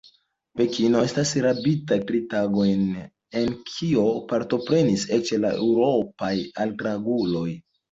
Pekino estis rabita tri tagojn, en kio partoprenis eĉ la eŭropaj altranguloj.